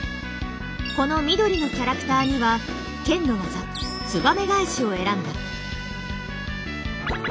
この緑のキャラクターには剣の技「ツバメ返し」を選んだ。